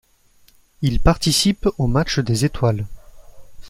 Il participe au matchs des étoiles.